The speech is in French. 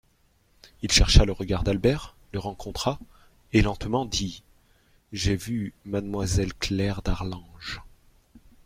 Il chercha le regard d'Albert, le rencontra, et lentement dit : J'ai vu mademoiselle Claire d'Arlange.